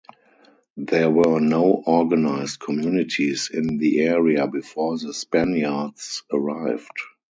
There were no organized communities in the area before the Spaniards arrived.